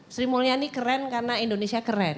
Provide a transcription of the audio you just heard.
sri mulyani keren karena indonesia keren